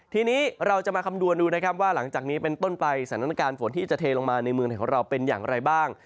ทีนี้เราจะมาคำนวณดูนะครับว่าหลังจากนี้เป็นต้นไปสถานการณ์ฝนที่จะเทลงมาในเมืองไทยของเราเป็นอย่างไรบ้าง